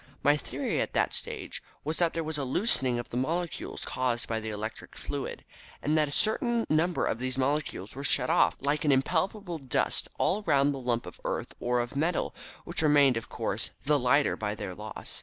My theory at that stage was that there was a loosening of the molecules caused by the electric fluid, and that a certain number of these molecules were shed off like an impalpable dust, all round the lump of earth or of metal, which remained, of course, the lighter by their loss.